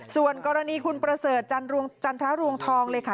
ส่วนกรณีคุณประเสริฐจันทรรวงทองเลยค่ะ